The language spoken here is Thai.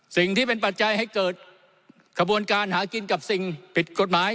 สิ่งที่เป็นปัจจัยให้เกิดขบวนการหากินกับสิ่งผิดกฎหมาย